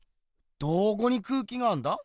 どこに空気があんだ？